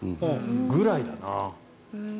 ぐらいだな。